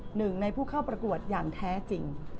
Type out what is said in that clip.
หนึ่งในผู้เข้าประกวดอย่างแท้จริง